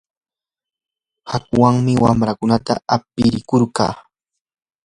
hakuwanmi wamraakunata aprikurqaa.